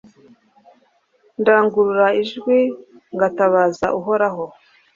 ndangurura ijwi ngatabaza uhoraho